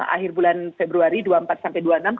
akhir bulan februari dua puluh empat sampai dua puluh enam